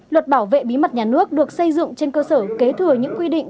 luật bảo vệ bí mật nhà nước được xây dựng trên cơ sở kế thừa những quy định